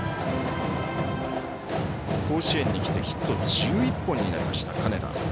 甲子園に来てヒット１１本になりました、金田。